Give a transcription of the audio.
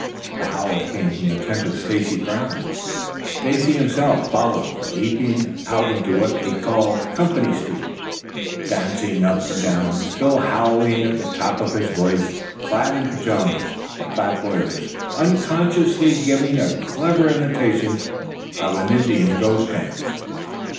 The howls came from the tent of Stacy Brown. Stacy himself followed, leaping out into what they called the company street, dancing up and down, still howling at the top of his voice. Clad in pajamas, the fat boy was unconsciously giving a clever imitation of an Indian ghost dance.